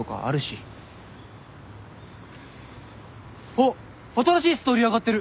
あっ新しいストーリー上がってる！